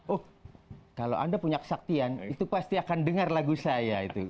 oh kalau anda punya kesaktian itu pasti akan dengar lagu saya itu